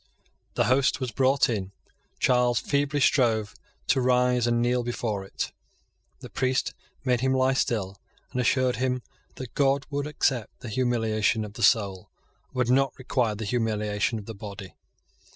The host was brought in. Charles feebly strove to rise and kneel before it. The priest made him lie still, and assured him that God would accept the humiliation of the soul, and would not require the humiliation of the body.